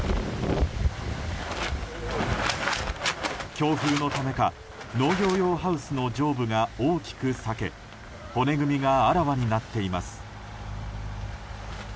強風のためか農業用ハウスの上部が大きく裂け骨組みがあらわになっています。